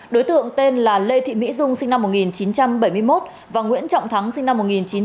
đối tượng tên là lê thị mỹ dung sinh năm một nghìn chín trăm bảy mươi một và nguyễn trọng thắng sinh năm một nghìn chín trăm tám mươi